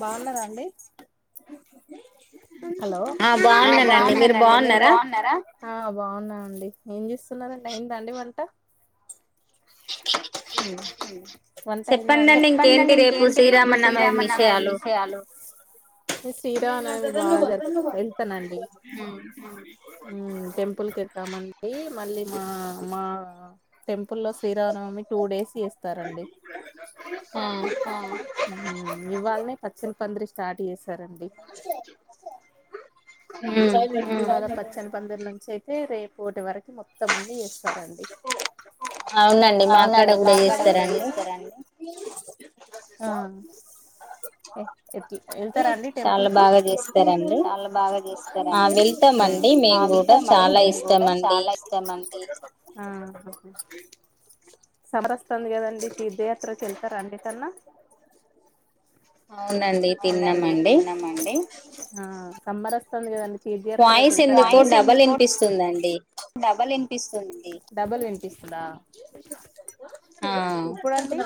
బాగున్నార అండి హలో ఆ బాగున్నా అండి ఏం చేస్తున్నారండి అయిందండి వంట వంట అయిందా శ్రీరామ నవమి బాగా జరుపు కుంటి మండి టెంపుల్ కెళ్తామండి మళ్ళీ మా మా టెంపుల్లో శ్రీరామ నవమి టూ డేస్ చేస్తారండి అ ఇవాళనె పచ్చని ప స్టార్ట్ చేస్ స్తరండి ఇవాళ్ళ పచ్చని పందిర నుంచి అయితే రేపు ఒకటి వరకు మొత్తం ఉంది అవునండి మాక్కాడ కూడ చేస్తారండి ఆ ఎట్ ఎట్ల వెళ్తారాండి టెంపుల్కి చాల బాగ చేస్తారండి ఆ వెలితం మేము కూడా చాలా ఇష్టమ అండి అ సమరస్ వస్తుంది కదండి తీర్థయాత్రకి వెళ్త రండి అవునండి తిన్నమండి హా సమ్మర్ వస్తుంది కదండి వాయిస్ ఎందుకో డబల్ వినిపిస్తుందండి డబల్ వినిపిస్తుంది డబల్ వినిపిస్తుందా ఇప్పుడండి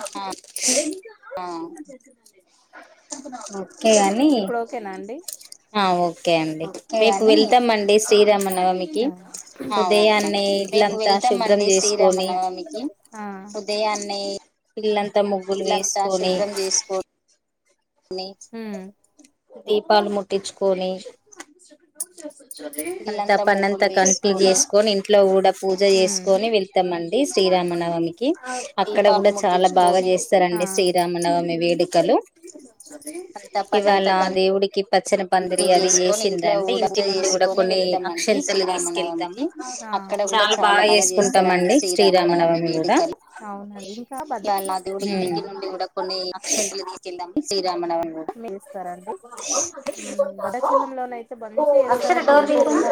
ఆ ఇప్పుడు ఓకేనా అండి ఆ ఓకే అండి రేపు వెళ్తామండి శ్రీరామనవ హ ఒకే అండి రేపు వెళ్తాంమండి శ్రీరామనవమికి దే అన్నయి ఇల్లంతా త ముగ్గులు వేసుకొని నే హు దీపాలు ముట్టించుకొని అంతా పనంతా కలిపి చేసుకొని ఇంట్లో కూడా పూజ చేసుకొని వెళ్తామండి ఈ శ్రీరామనవమి కి అక్కడ కూడా చాలా బాగా చేస్తారండి శ్రీరామనవమి వేడి అంత పని అంత ల దేవుడి అతి చేసుకొని ఇంట్లో కూడా పూజ చేసుకొని వెళ్తామండి శ్రీరామనవమికి అక్కడ కూడా చాల బాగా చేస్తారండి శ్రీరామనవమి వేడుకలు అవున అండి ఇంకా నాది ఇంటి నుండి కూడా కొన్ని అక్షంతలు కెళ్దాం ఈ శ్రీరామనవమి కూడా స్తారండి అక్షర డోర్ తీయి పోమ్మ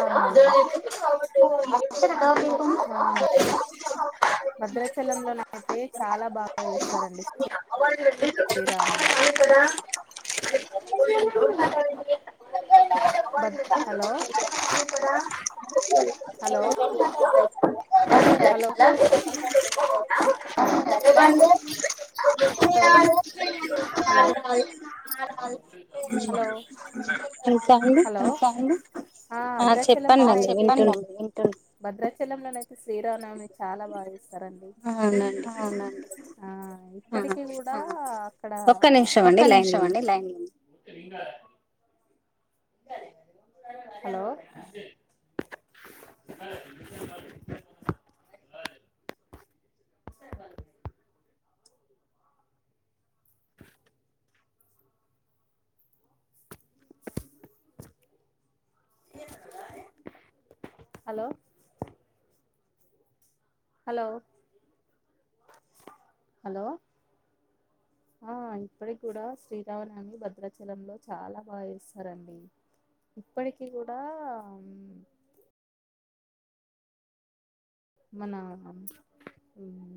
శ్రీరామ్ డోర్నకల్ కి hello hello hello hello hello hello ఆ భద్రాచలం చెప్పమ్మ వింటున్న భద్రాచలంలో శ్రీరామనవమి చాలా బాగా చేస్తుంది రండి అవునండి ఆ ఇప్పటికి కూడా అక్కడ ఒక్క నిమిషం లైన్ లో ఉన్ హలో ఆసరాబల్ హలో హలో హలో ఆ ఇప్పటికి కూడా శ్రీరామనామి భద్రాచలంలో చాలా బాగా చేస్తారండి ఇప్పటికి కూడా మన